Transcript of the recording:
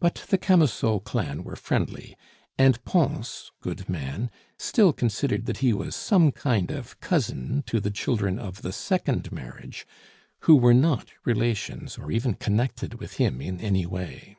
But the Camusot clan were friendly; and Pons, good man, still considered that he was some kind of cousin to the children of the second marriage, who were not relations, or even connected with him in any way.